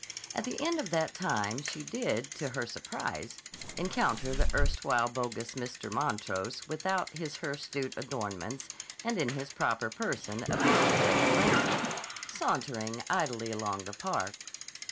At the end of that time she did, to her surprise, encounter the erstwhile bogus Sir Montrose without his hirsute adornments and in his proper person of Mr. Jacob Remsen, sauntering idly along the Park.